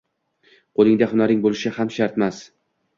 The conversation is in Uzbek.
qo‘lingda hunaring bo‘lishi ham shartmas